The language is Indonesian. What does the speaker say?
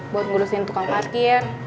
buat ngurusin tukang parkir